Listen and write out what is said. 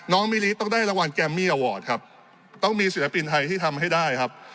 มิลิต้องได้รางวัลแกมมี่อวอร์ดครับต้องมีศิลปินไทยที่ทำให้ได้ครับ